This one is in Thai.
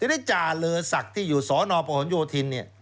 ทีนี้จ่าเลอศักดิ์ที่อยู่สนประหลโยธินเนี่ย